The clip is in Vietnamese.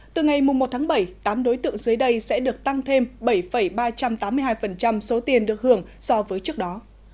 từ ngày một tháng bảy tám đối tượng dưới đây sẽ được tăng thêm bảy ba trăm tám mươi hai số tiền được hưởng so với trước đó